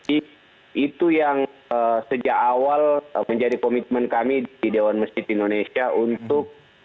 itu yang sejak awal menjadi komitmen kami di dewan masjid indonesia untuk